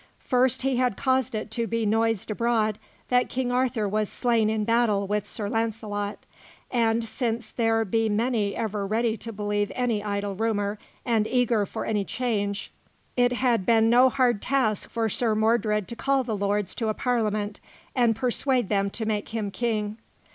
First, he had caused it to be noised abroad that King Arthur was slain in battle with Sir Launcelot, and, since there be many ever ready to believe any idle rumour and eager for any change, it had been no hard task for Sir Mordred to call the lords to a Parliament and persuade them to make him King.